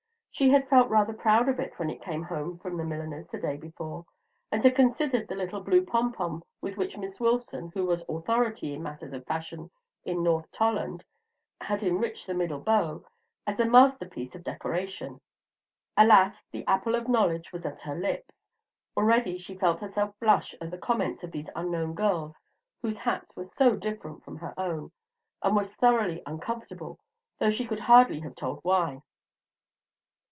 She had felt rather proud of it when it came home from the milliner's the day before, and had considered the little blue pompon with which Miss Wilson, who was authority in matters of fashion in North Tolland, had enriched the middle bow, as a masterpiece of decoration. Alas! the apple of knowledge was at her lips; already she felt herself blush at the comments of these unknown girls whose hats were so different from her own, and was thoroughly uncomfortable, though she could hardly have told why.